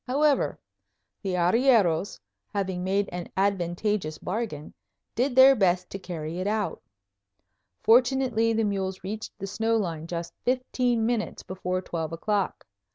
However, the arrieros, having made an advantageous bargain, did their best to carry it out. Fortunately the mules reached the snow line just fifteen minutes before twelve o'clock.